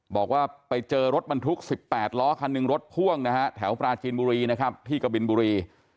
บอกว่าไปเจอรถบรรทุก๑๘ล้อคันหนึ่งรถพ่วงนะฮะแถวปราจีนบุรีนะครับที่กบินบุรี